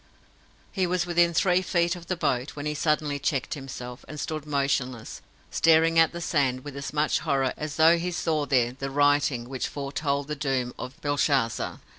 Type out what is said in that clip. He was within three feet of the boat, when he suddenly checked himself, and stood motionless, staring at the sand with as much horror as though he saw there the Writing which foretold the doom of Belshazzar.